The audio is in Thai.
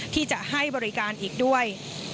ที่จะให้บริการอีกด้วย